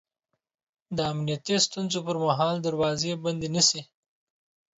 د امنیتي ستونزو پر مهال دروازې بندې نه شي